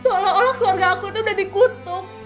seolah olah keluarga aku udah dikutuk